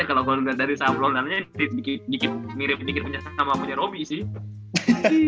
kalau gue lihat dari sahab longananya ini mirip sedikit punya sama punya robby sih